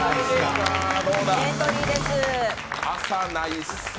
エントリーです。